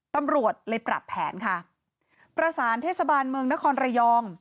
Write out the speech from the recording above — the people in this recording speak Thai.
ตำรวจเลยปรับแผนค่ะประสานเทศบาลเมืองนครระยอง